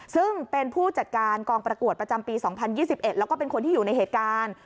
ซึ่งเป็นผู้จัดการกองประกวดประจำปี๒๐๒๑แล้วก็เป็นคนที่อยู่ในเหตุการณ์